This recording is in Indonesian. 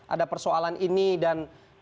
ada persoalan ini dan